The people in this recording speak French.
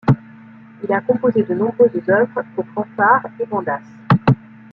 Il a composé de nombreuses œuvres pour fanfares et bandas.